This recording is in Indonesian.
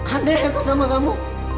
andai aku sama kamu